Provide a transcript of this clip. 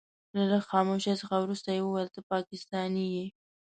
له لږ خاموشۍ څخه وروسته يې وويل ته پاکستانی يې.